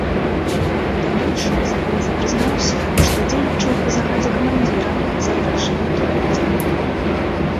У далейшым забойца прызнаўся, што дзейнічаў па загадзе камандзіра за грашавітую аддзяку.